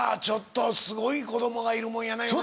ちょっとすごい子どもがいるもんやな